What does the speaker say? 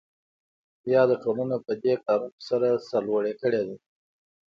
یاده ټولنه پدې کارونو سره سرلوړې کړې ده.